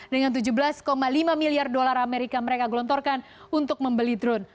dengan tujuh belas lima miliar dolar amerika mereka gelontorkan untuk membeli drone